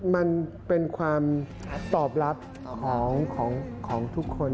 มันเป็นความตอบรับของทุกคน